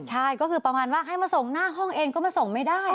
ใช่ก็คือประมาณว่าให้มาส่งหน้าห้องเองก็มาส่งไม่ได้